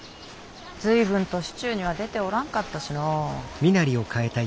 随分と市中には出ておらんかったしの。